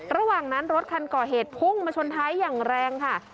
ระหว่างนั้นรถคันก่อเหตุพุ่งมาชนท้ายอย่างแรงค่ะ